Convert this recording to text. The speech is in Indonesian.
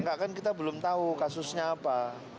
enggak kan kita belum tahu kasusnya apa